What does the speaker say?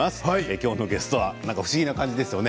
今日のゲストは不思議な感じですね